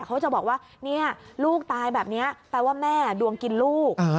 เขาจะบอกว่าเนี่ยลูกตายแบบนี้แปลว่าแม่ดวงกินลูก